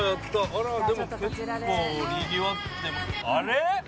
あらっでも結構にぎわって。